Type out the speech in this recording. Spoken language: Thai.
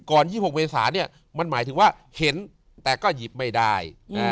ก่อน๒๖เมษามันหมายถึงว่าเห็นแต่ก็หยิบไม่ได้